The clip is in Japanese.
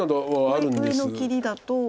上の切りだと。